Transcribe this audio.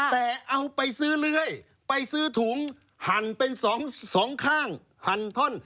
แต่เอาไปซื้อเลื่อยไปซื้อถุงหั่นเป็นสองข้างหั่นท่อน